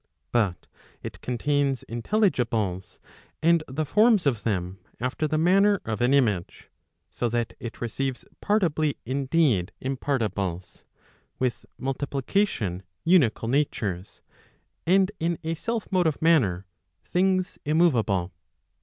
But it contains intelligibles and the forms of them after the manner of an image; so that it receives partibly indeed impartibles, with multiplication unical natures, and in a self motive manner, things immoveable.